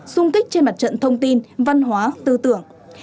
xung kích trên mặt trận thông tin văn hóa tư tưởng